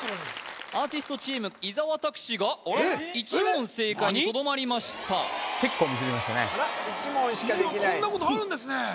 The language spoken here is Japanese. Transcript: アーティストチーム伊沢拓司が１問正解にとどまりました１問しかできないこんなことあるんですね